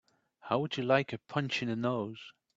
How would you like a punch in the nose?